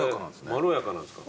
まろやかなんですか。